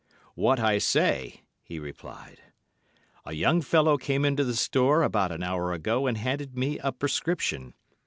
'What I say,' he replied. 'A young fellow came into the store about an hour ago and handed me a prescription.